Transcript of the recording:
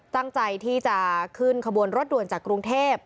ตั้งใจที่จะขึ้นขบวนรถด่วนจากกรุงเทพ